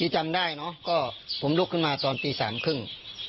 จำได้เนอะก็ผมลุกขึ้นมาตอนตีสามครึ่ง